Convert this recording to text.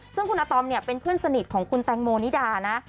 ซึ่งคุณอาตอมเนี่ยเป็นเพื่อนสนิทของคุณแตงโมนิดานะ